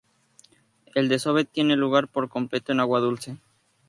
El desove tiene lugar por completo en agua dulce.